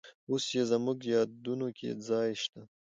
اوس یې زموږ یادونو کې ځای شته.